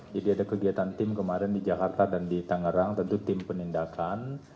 jadi ada kegiatan tim kemarin di jakarta dan di tangerang tentu tim penindakan